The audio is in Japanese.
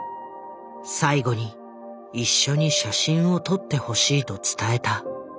最後に一緒に写真を撮ってほしいと伝えた。